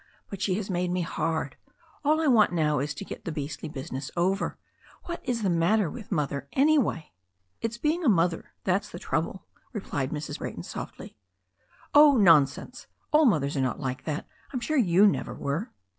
But she has made me hard. All I want now is to get the beastly business over. What is the matter with Mother, anyway?" "It's being a mother; that's the trouble," replied Mrs^ Brayton softly. "Oh, nonsense! All mothers are not like that. I'm sure you never were."